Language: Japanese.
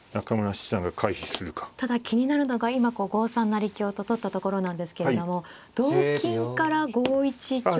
ただ気になるのが今５三成香と取ったところなんですけれども同金から５一香と。